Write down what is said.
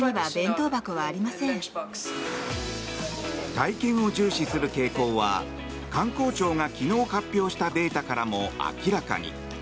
体験を重視する傾向は観光庁が昨日発表したデータからも明らかに。